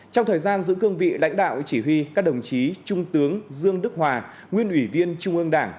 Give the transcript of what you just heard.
trong thời gian giữ cương vị lãnh đạo chỉ huy các đồng chí trung tướng dương đức hòa nguyên ủy viên trung ương đảng